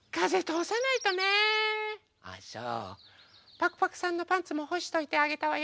パクパクさんのパンツもほしといてあげたわよ。